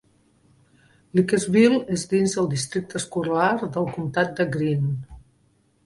Leakesville és dins el districte escolar del comtat de Greene.